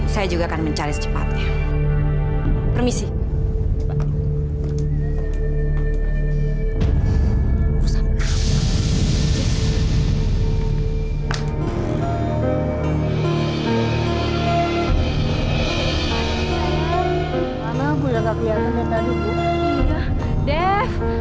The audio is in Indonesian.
sudah capek nyariin kamu dev